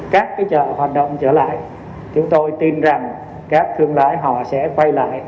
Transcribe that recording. các cái chợ hoạt động trở lại chúng tôi tin rằng các thương lãi họ sẽ quay lại